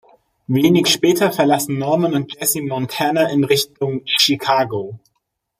Wenig später verlassen Norman und Jessie Montana in Richtung Chicago.